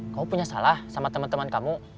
kamu punya salah sama teman teman kamu